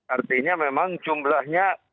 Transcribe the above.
artinya memang jumlahnya